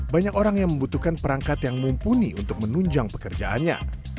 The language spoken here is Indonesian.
banyak orang yang membutuhkan perangkat yang mumpuni untuk menunjang pekerjaannya